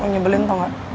nyebelin tau nggak